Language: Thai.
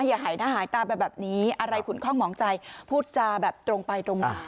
อย่าหายหน้าหายตาไปแบบนี้อะไรขุนคล่องหมองใจพูดจาแบบตรงไปตรงมา